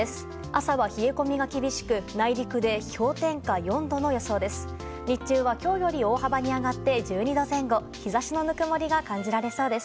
朝は冷え込みが厳しく内陸で氷点下４度の予想です。